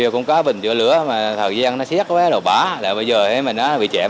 cũng có bỉnh chữa lửa mà thời gian nó xét quá rồi bả là bây giờ thì mình nó bị chẹm